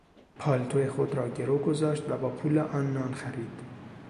پالتو خود را گرو گذاشت و با پول آن نان خرید.